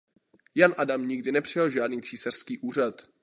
Jan Adam nikdy nepřijal žádný císařský úřad.